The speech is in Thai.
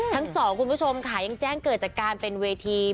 ทั้งสองคุณผู้ชมค่ะยังแจ้งเกิดจากการเป็นเวที